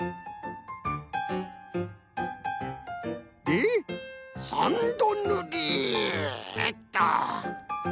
で３どぬりっと！